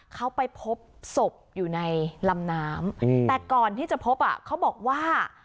เขาไปพบศพอยู่ในลำน้ำแต่ก่อนที่จะพบอ่ะเขาบอกว่า